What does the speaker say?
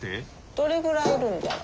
どれぐらいいるんだろう。